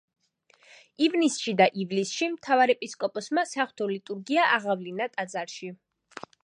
ივნისში და ივლისში მთავარეპისკოპოსმა საღვთო ლიტურგია აღავლინა ტაძარში.